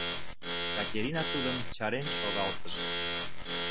— Катерина тудым чарен шогалтыш.